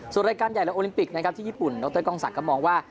ส่วนรายการใหญ่และโอลิมปิกนะครับที่ญี่ปุ่นดรกองศักดิ์มองว่า